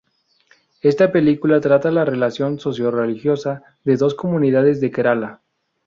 Esta película trata la relación socio-religiosa de dos comunidades de Kerala.